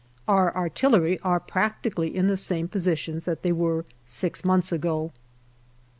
Our artillery are practically in the same positions that they were six months ago.